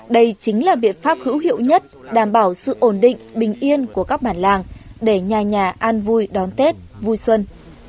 đây chính là biện pháp hữu hiệu nhất đảm bảo sự ổn định bình yên của các bản làng để nhà nhà an vui đón tết vui xuân